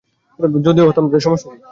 যদি হতামও তাতে সমস্যা কী।